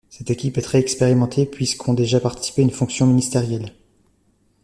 Cette équipe est très expérimentée, puisque ont déjà exercé une fonction ministérielle.